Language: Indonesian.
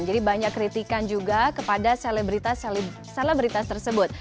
jadi banyak kritikan juga kepada selebritas selebritas tersebut